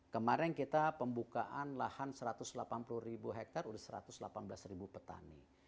kemarin kita pembukaan lahan satu ratus delapan puluh ribu hektare sudah satu ratus delapan belas ribu petani